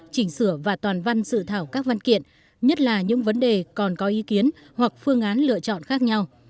chỉnh sửa và toàn văn sự thảo các văn kiện nhất là những vấn đề còn có ý kiến hoặc phương án lựa chọn khác nhau